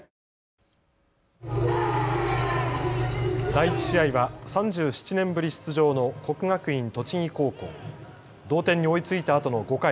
第１試合は３７年ぶり出場の国学院栃木高校、同点に追いついたあとの５回。